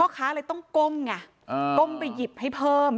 ค้าเลยต้องก้มไงก้มไปหยิบให้เพิ่ม